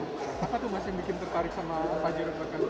apa tuh mas yang bikin tertarik sama pajero empat x empat